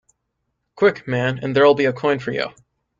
Quick, man, and there'll be a coin for you.